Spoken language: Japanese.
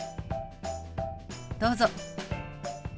どうぞ。